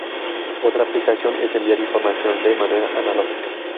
Otra aplicación es enviar información de manera analógica.